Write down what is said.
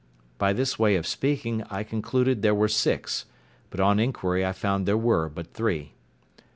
By this way of speaking I concluded there were six; but on inquiry I found there were but three.